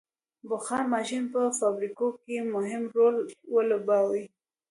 • بخار ماشین په فابریکو کې مهم رول ولوباوه.